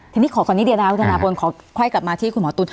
ทีนี้ขอก่อนนิดเดียวนะคะคุณธนาพลขอค่อยกลับมาที่คุณหมอตุ๋น